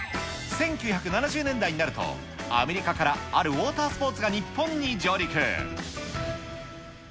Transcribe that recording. １９７０年代になると、アメリカからあるウォータースポーツが日本に上陸。